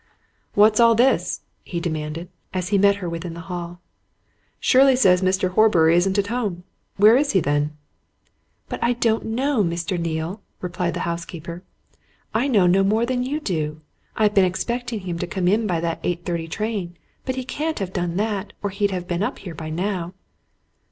"What's all this?" he demanded, as he met her within the hall. "Shirley says Mr. Horbury isn't at home? Where is he, then?" "But I don't know, Mr. Neale," replied the housekeeper. "I know no more than you do. I've been expecting him to come in by that 8.30 train, but he can't have done that, or he'd have been up here by now."